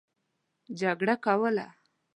جګړه کوله.